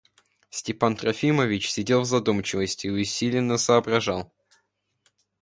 Степан Трофимович сидел в задумчивости и усиленно соображал.